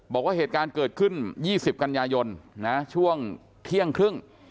บอกว่าเหตุการณ์เกิดขึ้น๒๐กันยายนนะช่วงเที่ยงครึ่ง